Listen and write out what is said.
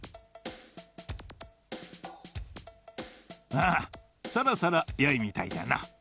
ああそろそろよいみたいじゃな。